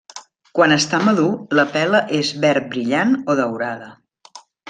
Quan està madur la pela és verd brillant o daurada.